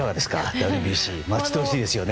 ＷＢＣ、待ち遠しいですね。